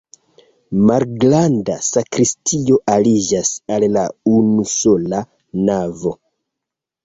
Malgranda sakristio aliĝas al la unusola navo.